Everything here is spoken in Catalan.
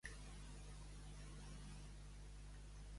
Els quatre Evangelistes són tres: Elies i Enoc.